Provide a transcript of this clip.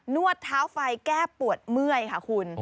วดเท้าไฟแก้ปวดเมื่อยค่ะคุณ